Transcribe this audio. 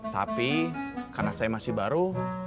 tapi karena saya masih baru